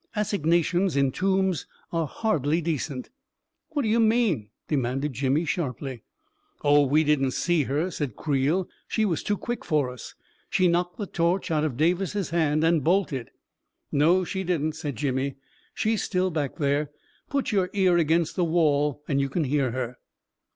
Assignations in tombs are hardly de cent ..." "What do you mean?" demanded Jimmy sharply. "Oh, we didn't see her," said Creel; "she was too quick for us. She knocked the torch out of Davis's hand and bolted .•." "No, she didn't," said Jimmy. "She is still back there. Put your ear against the wall and you can hear her."